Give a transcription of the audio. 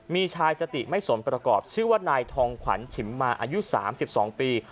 มีชายสติไม่สมประกอบชื่อว่านายทองขวัญฉิมมาอายุ๓๒ปี